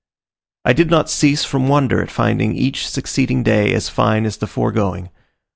I did not cease from wonder at finding each succeeding day as fine as the foregoing.